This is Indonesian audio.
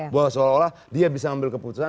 bahwa seolah olah dia bisa ambil keputusan